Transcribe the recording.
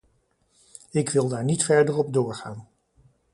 Ik wil daar niet verder op doorgaan.